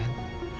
oh iuran ya